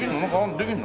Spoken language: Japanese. できるの？